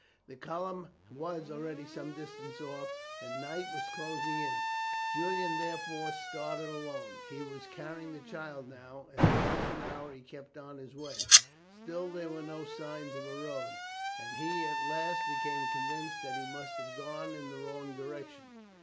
The column was already some distance off, and night was closing in. Julian therefore started alone. He was carrying the child now, and for an hour he kept on his way. Still there were no signs of a road, and he at last became convinced that he must have gone in the wrong direction.